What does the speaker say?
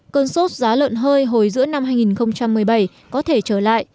cơn sốt giá lợn hơi hồi giữa năm hai nghìn một mươi bảy có thể trở lại